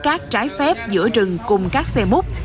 các trái phép giữa rừng cùng các xe mút